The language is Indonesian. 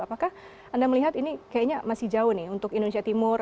apakah anda melihat ini kayaknya masih jauh nih untuk indonesia timur